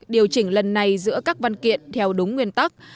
điều chỉnh lần này giữa các văn kiện theo đúng nguyên tắc